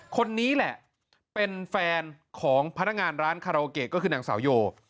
คนนี้แหละเป็นแฟนของพนักงานร้านคาราโอเกะก็คือนางสาวโย